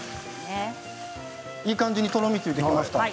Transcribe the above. いい感じにとろみがついてきました。